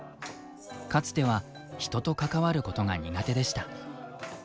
かつては人と関わることが苦手でした。